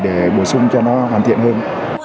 để bổ sung cho nó hoàn thiện hơn